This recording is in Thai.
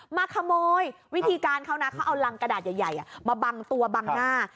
มาขโมยวิธีการเขานะเขาเอารังกระดาษใหญ่มาบังตัวบังหน้า